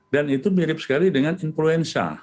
dan itu mirip sekali dengan influenza